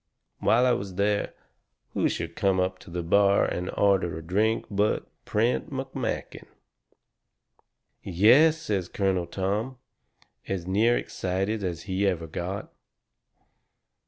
"While I was there, who should come up to the bar and order a drink but Prent McMakin." "Yes!" says Colonel Tom, as near excited as he ever got.